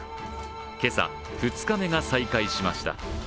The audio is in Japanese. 今朝、２日目が再開しました。